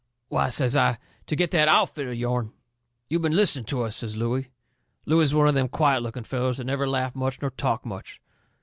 "Why," says I, "to get that outfit of yourn." "You've been listening to us," says Looey. Looey was one of them quiet looking fellers that never laughed much nor talked much.